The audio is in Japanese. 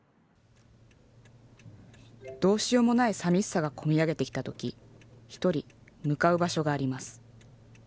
どうしようもないさみしさが込み上げてきた時ひとり向かう場所があります。